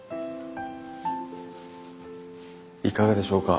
いかがでしょうか？